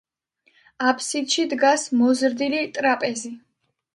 აფსიდში დგას მოზრდილი ტრაპეზი.